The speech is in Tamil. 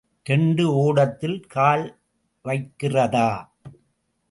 இரண்டு ஓடத்தில் கால் வைக்கிறதா?